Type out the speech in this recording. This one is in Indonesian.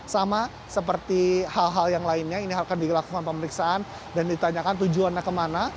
sama seperti hal hal yang lainnya ini akan dilakukan pemeriksaan dan ditanyakan tujuannya kemana